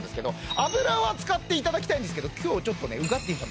油は使っていただきたいんですけど今日はちょっとねウガッティーさん